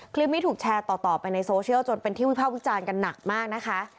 คลิปนี้ถูกแชร์ต่อไปในโซเชียลจนเป็นที่วิภาควิจารณ์กันหนักมากนะคะ